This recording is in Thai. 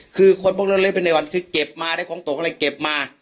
คือคนบอกเล่นเป็นในวันคือเก็บมาได้ของตัวอะไรเก็บมา